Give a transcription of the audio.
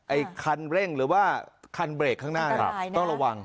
คันเร่งหรือว่าคันเบรกข้างหน้าต้องระวัง